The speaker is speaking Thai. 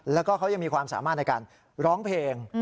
แล้วก็เขายังมีความสามารถในการร้องเพลง